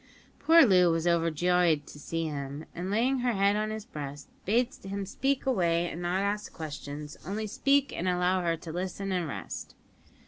Poor Loo was overjoyed to see him, and laying her head on his breast, bade him speak away and not ask questions; only speak, and allow her to listen and rest.